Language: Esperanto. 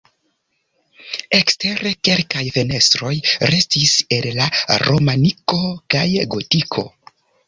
Ekstere kelkaj fenestroj restis el la romaniko kaj gotiko.